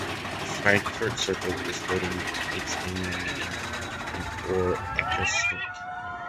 The Frankfurt Circle is holding its annual meeting in Oer-Erkenschwick.